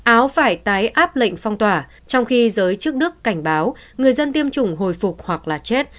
áo phải tái áp lệnh phong tỏa trong khi giới chức đức cảnh báo người dân tiêm chủng hồi phục hoặc là chết